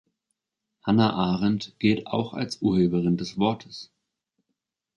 Hannah Arendt gilt auch als Urheberin des Wortes.